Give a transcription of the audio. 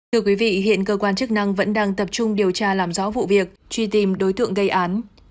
thưa quý vị hiện cơ quan chức năng vẫn đang tập trung điều tra làm rõ vụ việc truy tìm đối tượng gây án